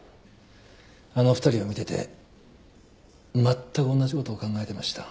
あの２人を見ててまったくおんなじことを考えてました。